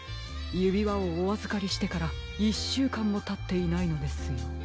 ゆびわをおあずかりしてから１しゅうかんもたっていないのですよ。